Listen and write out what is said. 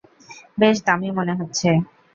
বেশ দামী মনে হচ্ছে।